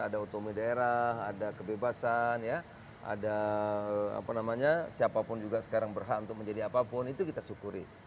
ada otomi daerah ada kebebasan ada siapa pun sekarang berhak untuk menjadi apapun itu kita syukuri